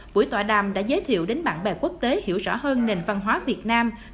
buổi tọa đàm đã giới thiệu đến bạn bè quốc tế hiểu rõ hơn nền văn hóa việt nam